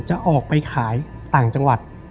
จะออกไปขายต่างจังหวัด